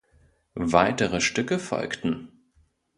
Weitere Stücke folgten.